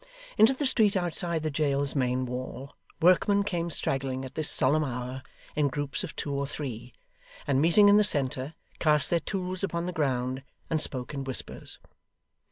Into the street outside the jail's main wall, workmen came straggling at this solemn hour, in groups of two or three, and meeting in the centre, cast their tools upon the ground and spoke in whispers.